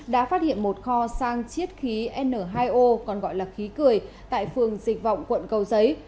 đã phát hiện một kho sang chiết khí n hai o tại phường dịch vọng quận cầu giấy